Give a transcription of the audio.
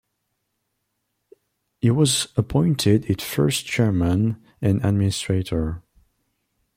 He was appointed its first Chairman and Administrator.